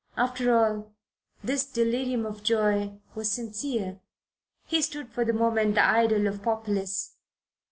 After all, this delirium of joy was sincere. He stood for the moment the idol of the populace.